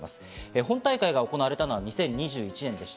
本大会が行われたのは２０２１年でした。